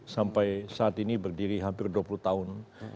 sampai saat ini berdiri hampir dua puluh tahun